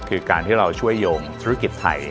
คือการที่เราช่วยโยงธุรกิจไทย